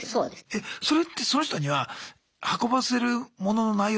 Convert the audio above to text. えそれってその人には運ばせる物の内容って言うんですか？